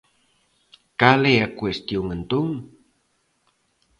¿Cal é a cuestión entón?